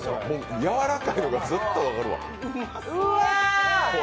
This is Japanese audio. やわらかいのがずっと分かるわ。